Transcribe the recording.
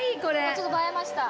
ちょっと映えました。